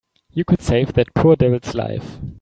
You could save that poor devil's life.